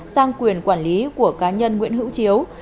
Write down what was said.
sang quyền quản lý của cá nhân nguyễn hữu chiếu